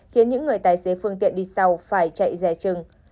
khiến những người tài xế phương tiện đi sau phải chạy rè chừng